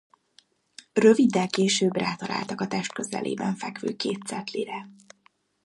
Röviddel később rátaláltak a test közelében fekvő két cetlire.